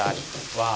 わあ。